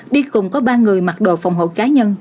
đi cùng có ba người mặc đồ phòng hộ cá nhân